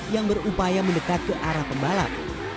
yang berupaya mendekat ke arah pembalap